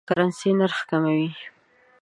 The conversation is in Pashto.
د کرنسۍ نرخ راکموي.